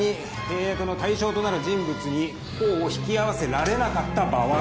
「契約の対象となる人物に甲を引き合わせられなかった場合」